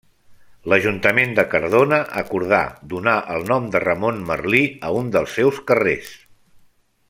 L'Ajuntament de Cardona acordà donar el nom de Ramon Merli a un dels seus carrers.